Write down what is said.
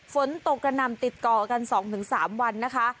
ฝนตกกระหน่ำติดต่อกัน๒๓วันนะคะ